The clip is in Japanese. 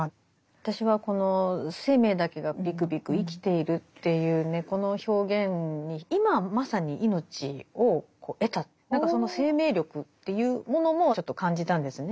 私はこの「生命だけがびくびく生きている」っていうねこの表現に今まさに命を得た何かその生命力っていうものもちょっと感じたんですよね。